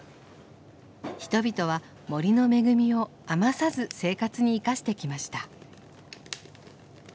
人々は森の恵みを余さず生活に生かしてきました。